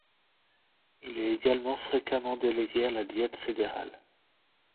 Il est également fréquemment délégué à la Diète fédérale.